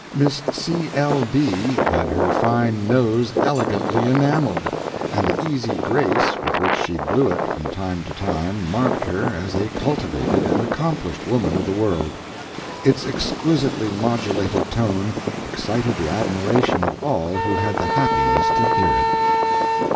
Miss C. L. B. had her fine nose elegantly enameled, and the easy grace with which she blew it from time to time marked her as a cultivated and accomplished woman of the world; its exquisitely modulated tone excited the admiration of all who had the happiness to hear it.